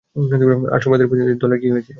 আদ সম্প্রদায়ের প্রতিনিধি দলের কী হয়েছিল?